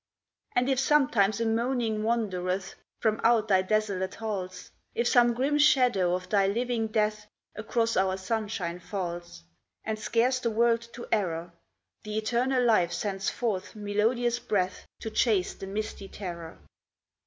And if sometimes a moaning wandereth From out thy desolate halls, If some grim shadow of thy living death Across our sunshine falls And scares the world to error, The eternal life sends forth melodious breath To chase the misty terror.